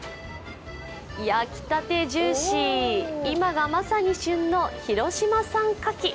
焼きたてジューシー、今がまさに旬の広島産牡蠣。